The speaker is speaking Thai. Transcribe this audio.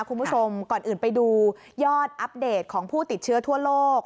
คุณผู้ชมก่อนอื่นไปดูยอดอัปเดตของผู้ติดเชื้อทั่วโลก